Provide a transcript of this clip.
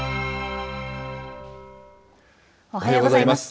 おはようございます。